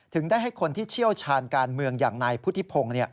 ได้ให้คนที่เชี่ยวชาญการเมืองอย่างนายพุทธิพงศ์